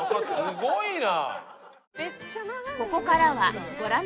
すごいな！